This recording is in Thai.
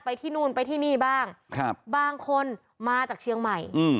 ที่นู่นไปที่นี่บ้างครับบางคนมาจากเชียงใหม่